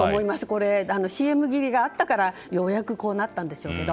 これ、ＣＭ切りがあったからようやくこうなったんでしょうけど。